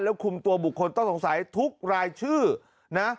คุมตัวบุคคลต้องสงสัยทุกรายชื่อนะ